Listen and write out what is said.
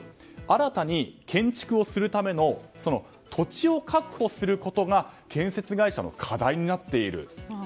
新たに建築をするための土地を確保することが建設会社の課題になっていると。